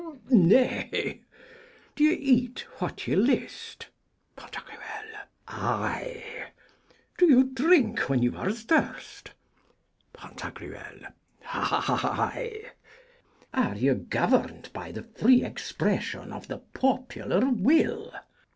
Nay? Do you cat what you list? Pan.: Ay! Do you drink when you are athirst? Pan.: Ay! Are you governed by the free expression of the popular will?